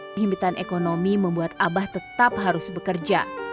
pembitan ekonomi membuat abah tetap harus bekerja